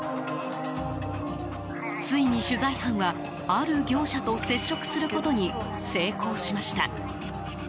ついに取材班は、ある業者と接触することに成功しました。